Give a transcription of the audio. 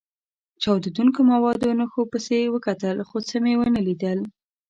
چاودېدونکو موادو نښو پسې وکتل، خو څه مې و نه لیدل.